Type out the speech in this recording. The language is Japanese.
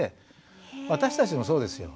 私たちもそうですよ。